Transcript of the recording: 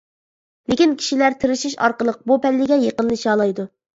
لېكىن كىشىلەر تىرىشىش ئارقىلىق بۇ پەللىگە يېقىنلىشالايدۇ.